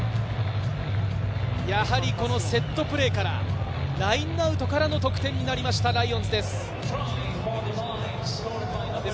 やはりセットプレーからラインアウトからの得点になりましたライオンズです。